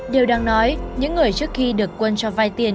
điều đang nói những người trước khi được quân cho vai tiền